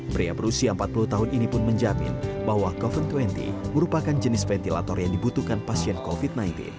brea prusi yang empat puluh tahun ini pun menjamin bahwa covid sembilan belas merupakan jenis ventilator yang dibutuhkan pasien covid sembilan belas